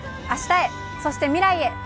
明日へ、そして未来へ。